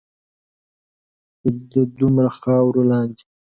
خو د دومره خاورو لاندے